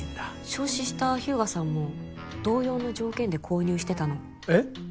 焼死した日向さんも同様の条件で購入してたのえっ？